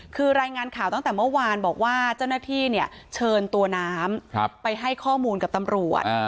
คือรายงานข่าวตั้งแต่เมื่อวานบอกว่าเจ้าหน้าที่เชิญตัวน้ำไปให้ข้อมูลกับตำรวจ